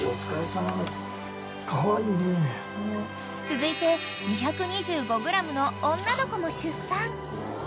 ［続いて２２５ｇの女の子も出産］